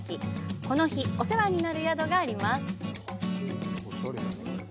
この日、お世話になる宿があります。